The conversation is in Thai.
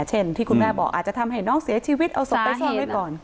เช่นที่คุณแม่บอกอาจจะทำให้น้องเสียชีวิตเอาศพไปซ่อนไว้ก่อน